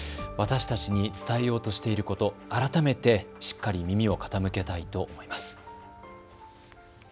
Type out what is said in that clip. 私たちに伝えようとしていること、改めて、しっかり耳を傾けたいと思います。